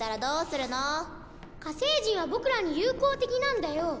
火星人は僕らに友好的なんだよ。